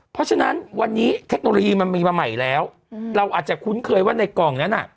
เพราะฉะนั้นวันนี้เทคโนโลยีมันมีมาใหม่แล้วเราอาจจะคุ้นเคยว่าในกล่องนั้นอ่ะ